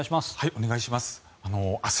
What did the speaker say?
お願いします。